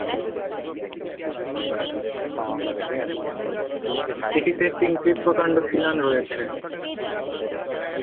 এটিতে তিনটি প্রকাণ্ড খিলান রয়েছে।